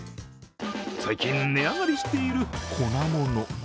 最近値上がりしている粉もの。